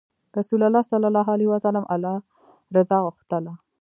رسول الله ﷺ الله رضا غوښتله.